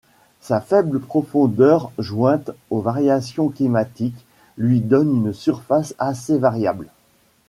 Sa faible profondeur jointe aux variations climatiques lui donne une surface assez variable.